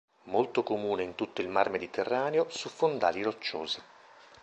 Molto comune in tutto il Mar Mediterraneo, su fondali rocciosi.